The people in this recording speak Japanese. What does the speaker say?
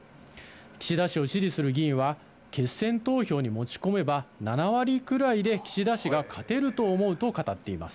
岸田氏を支持する議員は、決選投票に持ち込めば、７割くらいで岸田氏が勝てると思うと語っています。